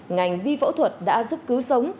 ngành vi phẫu thuật đã giúp cứu sống